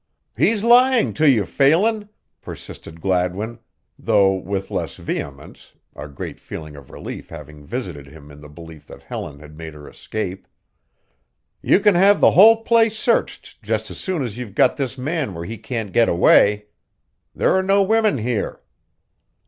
"He's lying to you, Phelan," persisted Gladwin, though with less vehemence, a great feeling of relief having visited him in the belief that Helen had made her escape. "You can have the whole place searched just as soon as you've got this man where he can't get away. There are no women here."